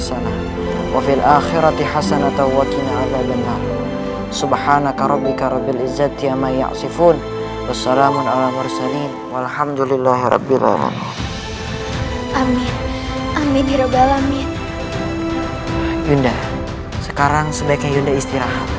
sekarang sebaiknya yunda istirahat